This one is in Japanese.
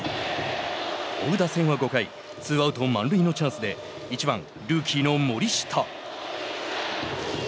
追う打線は５回ツーアウト、満塁のチャンスで１番ルーキーの森下。